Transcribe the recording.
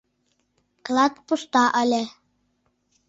Клат пуста ыле.